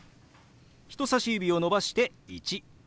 人さし指を伸ばして「１」。